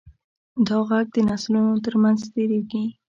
دا غږ د نسلونو تر منځ تېرېږي.